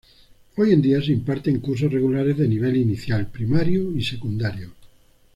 Hoy en día se imparten cursos regulares de nivel inicial, primario y secundario.